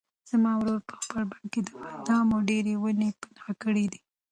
زما ورور په خپل بڼ کې د بادامو ډېرې ونې په نښه کړې دي.